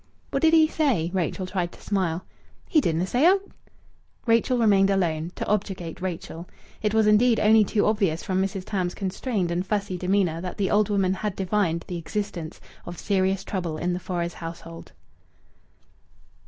"What did he say?" Rachel tried to smile. "He didna say aught." Rachel remained alone, to objurgate Rachel. It was indeed only too obvious from Mrs. Tams's constrained and fussy demeanour that the old woman had divined the existence of serious trouble in the Fores household.